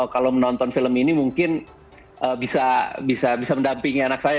kalau menonton film ini mungkin bisa mendampingi anak saya